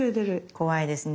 怖いですね。